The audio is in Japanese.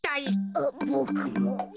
あっボクも。